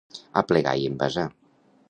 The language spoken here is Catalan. Aplegar i envasar.